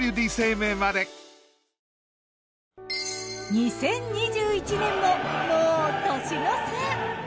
２０２１年ももう年の瀬。